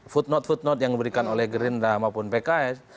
footnote footnote yang diberikan oleh gerindra maupun pks